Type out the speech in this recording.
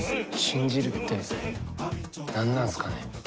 信じるって何なんすかね？